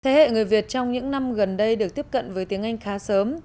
thế hệ người việt trong những năm gần đây được tiếp cận với tiếng anh khá sớm